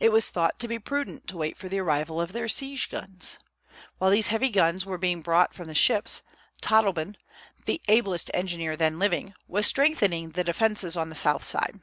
It was thought to be prudent to wait for the arrival of their siege guns. While these heavy guns were being brought from the ships, Todleben the ablest engineer then living was strengthening the defences on the south side.